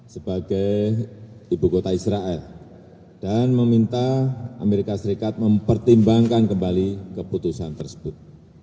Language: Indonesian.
sebagai ibu kota israel dan meminta amerika serikat mempertimbangkan kembali keputusan tersebut